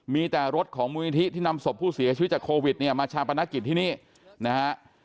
มีแต่รถของมูลนิธิที่นำศพผู้เสียชีวิตจากโควิดเนี่ยมาชาปนกิจที่นี่นะฮะ